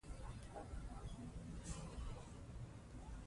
هر کور باید د اوبو مصرف په میاشتني ډول وارزوي.